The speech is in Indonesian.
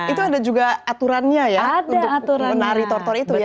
itu ada juga aturannya ya untuk menari tortor itu ya